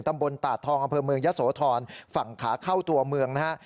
ตำบลตาดทองอำเภอเมืองยะโสธรฝั่งขาเข้าตัวเมืองนะฮะ